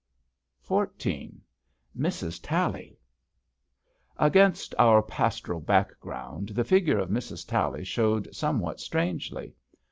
1 SS XIV MRS TALLY Against our pastoral background the figure of Mrs. Tally shewed somewhat strangely.